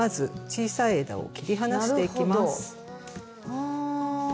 はあ。